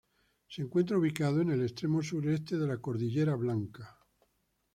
Se encuentra ubicado en el extremo sureste de la cordillera Blanca.